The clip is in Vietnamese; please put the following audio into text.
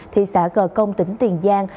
thị xã gờ công tỉnh tiền giang